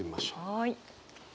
はい。